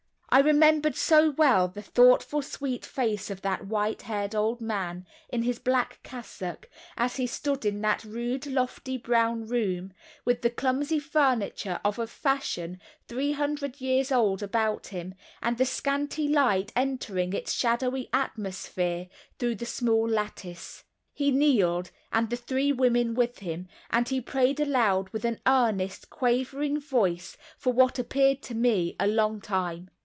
I remembered so well the thoughtful sweet face of that white haired old man, in his black cassock, as he stood in that rude, lofty, brown room, with the clumsy furniture of a fashion three hundred years old about him, and the scanty light entering its shadowy atmosphere through the small lattice. He kneeled, and the three women with him, and he prayed aloud with an earnest quavering voice for, what appeared to me, a long time.